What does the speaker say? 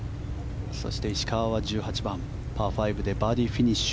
そして石川は１８番、パー５でバーディーフィニッシュ。